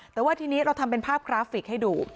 แต่ว่าทีนี้เราทำเป็นภาพกราฟิกให้ดู